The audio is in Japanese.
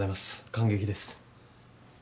感激です。